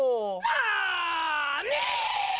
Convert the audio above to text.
なに！？